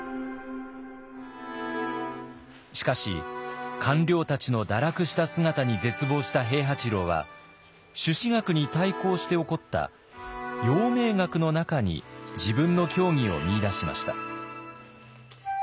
しかし官僚たちの堕落した姿に絶望した平八郎は朱子学に対抗して興った陽明学の中に自分の教義を見いだしました。